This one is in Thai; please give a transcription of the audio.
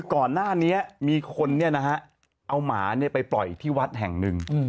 ก่อนหน้านี้มีคนเอาหมาไปปล่อยที่วัดแห่งหนึ่ง